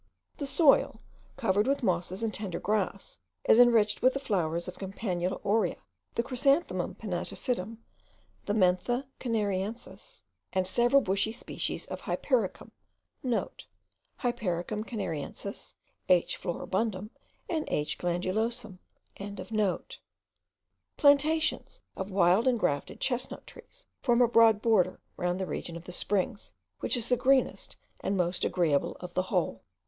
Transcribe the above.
The soil, covered with mosses and tender grass, is enriched with the flowers of the Campanula aurea, the Chrysanthemum pinnatifidum, the Mentha canariensis, and several bushy species of Hypericum.* (* Hypericum canariense, H. floribundum, and H. glandulosum.) Plantations of wild and grafted chestnut trees form a broad border round the region of the springs, which is the greenest and most agreeable of the whole.